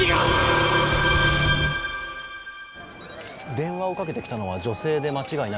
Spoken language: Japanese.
電話をかけて来たのは女性で間違いないですか？